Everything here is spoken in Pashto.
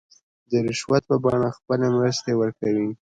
د رشوت په بڼه خپلې مرستې ورکوي.